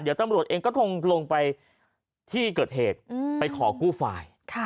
เดี๋ยวตั้งบริหารเองก็ทงลงไปที่เกิดเหตุไปขอกู้ไฟล์